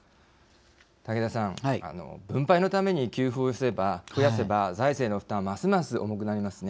竹田さん分配のために給付を増やせば財政の負担はますます重くなりますね。